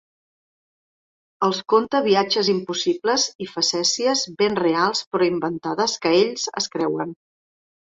Els conta viatges impossibles i facècies ben reals però inventades que ells es creuen.